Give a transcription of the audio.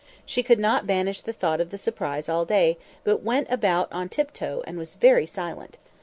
She could not banish the thought of the surprise all day, but went about on tiptoe, and was very silent.